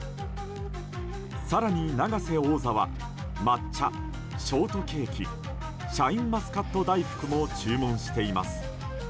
更に永瀬王座は抹茶、ショートケーキシャインマスカット大福も注文しています。